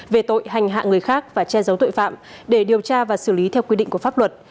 về tội hành hạ người khác và che giấu tội phạm để điều tra và xử lý theo quy định của pháp luật